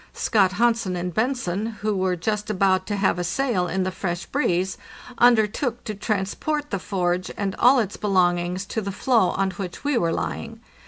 Scott Hansen and Bentzen, who were just about to have a sail in the fresh breeze, undertook to transport the forge and all its belongings to the floe on which we were lying.